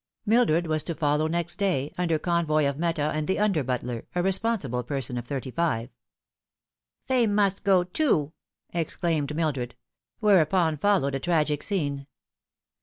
Mildred was to follow next day, under convoy of Meta and the under butler, a responsible person of thirty five. " Fay must go, too," exclaimed Mildred ; whereupon followed a tragic scene.